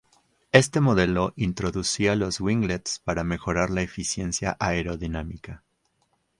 Este modelo introducía los "winglets" para mejorar la eficiencia aerodinámica.